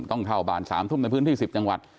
ต้องเข้าบ้าน๓ทุ่มในพื้นที่๑๐จังหวัด